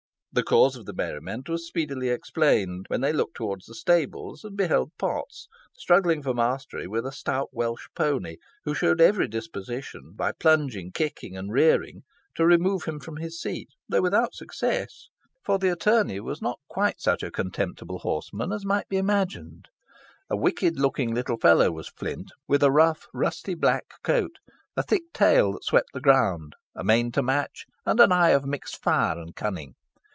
The cause of the merriment was speedily explained when they looked towards the stables, and beheld Potts struggling for mastery with a stout Welsh pony, who showed every disposition, by plunging, kicking, and rearing, to remove him from his seat, though without success, for the attorney was not quite such a contemptible horseman as might be imagined. A wicked looking little fellow was Flint, with a rough, rusty black coat, a thick tail that swept the ground, a mane to match, and an eye of mixed fire and cunning.